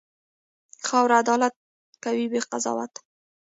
خاوره عدالت کوي، بې قضاوت.